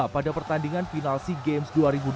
pada pertandingan final sea games dua ribu dua puluh